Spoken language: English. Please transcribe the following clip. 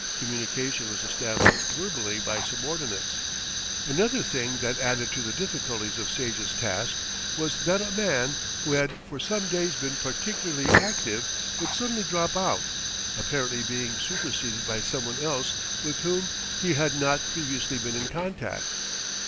Communication was established verbally by subordinates. Another thing that added to the difficulties of Sage's task was that a man, who had for some days been particularly active, would suddenly drop out, apparently being superseded by someone else with whom he had not previously been in contact.